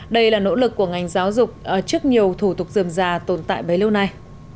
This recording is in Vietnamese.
đây là nỗ lực của ngành giáo dục trước nhiều thủ tục dườm già tồn tại bấy lâu nay